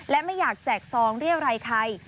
และไม่อยากแจกซองเรียวรายใคร